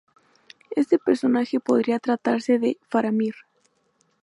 Este personaje podría tratarse de Faramir.